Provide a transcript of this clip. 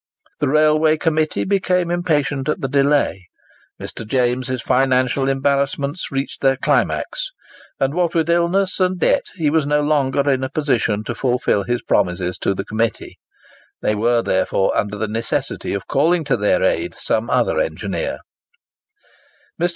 The Railroad Committee became impatient at the delay. Mr. James's financial embarrassments reached their climax; and, what with illness and debt, he was no longer in a position to fulfil his promises to the Committee. They were, therefore, under the necessity of calling to their aid some other engineer. Mr.